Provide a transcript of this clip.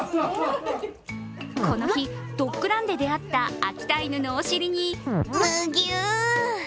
この日、ドッグランで出会った秋田犬のお尻にむぎゅ！